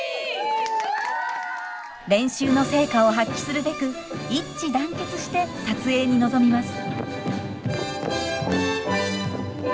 練習の成果を発揮するべく一致団結して撮影に臨みます。